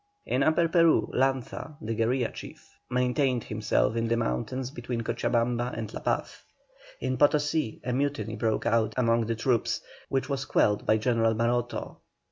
In Upper Peru, Lanza, the guerilla chief, maintained himself in the mountains between Cochabamba and La Paz. In Potosí a mutiny broke out among the troops, which was quelled by General Maroto.